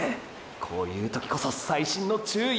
こういう時こそ細心の注意を払って！！